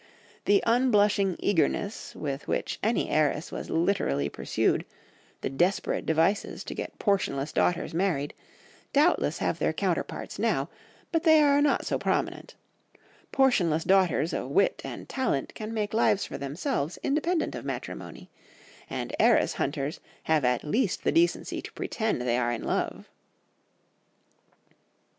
The un blushing eagerness with which any heiress was literally pursued, the desperate devices to get portionless daughters married, doubtless have their counterparts now, but they are not so prominent; portionless daughters of wit and talent can make lives for themselves, independent of matrimony, and heiress hunters have at least the decency to pretend they are in love.